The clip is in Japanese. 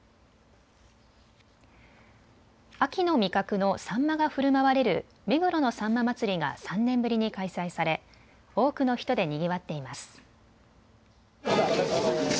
秋の味覚のサンマがふるまわれる目黒のさんま祭が３年ぶりに開催され多くの人でにぎわっています。